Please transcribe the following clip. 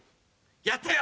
やったよ！